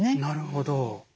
なるほど。